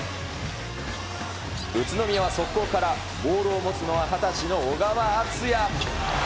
宇都宮は速攻からボールを持つのは２０歳の小川敦也。